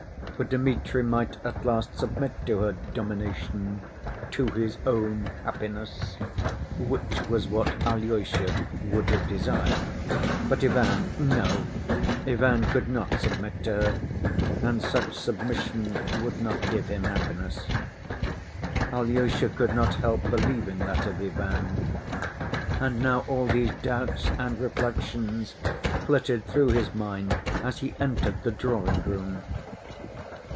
For Dmitri might at last submit to her domination "to his own happiness" (which was what Alyosha would have desired), but Ivan—no, Ivan could not submit to her, and such submission would not give him happiness. Alyosha could not help believing that of Ivan. And now all these doubts and reflections flitted through his mind as he entered the drawing‐room.